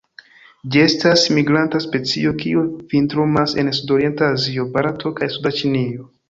Ĝi estas migranta specio, kiu vintrumas en sudorienta Azio, Barato kaj suda Ĉinio.